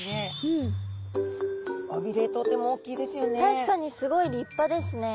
確かにすごい立派ですね。